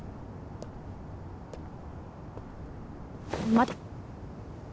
待て。